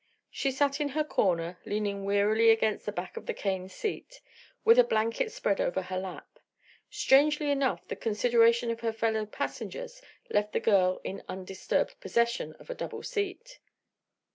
She sat in her corner, leaning wearily against the back of the cane seat, with a blanket spread over her lap. Strangely enough the consideration of her fellow passengers left the girl in undisturbed possession of a double seat.